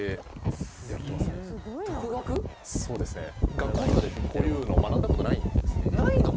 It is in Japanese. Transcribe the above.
学校とかでこういうの学んだことないんですねないの？